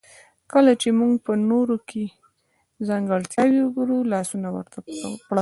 کله چې موږ په نورو کې ځانګړتياوې وګورو لاسونه ورته پړکوو.